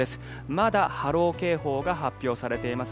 まだ波浪警報が発表されています。